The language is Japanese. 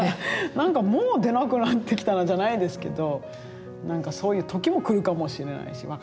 何かもう出なくなってきたなじゃないですけど何かそういう時も来るかもしれないし分かんないですけどね。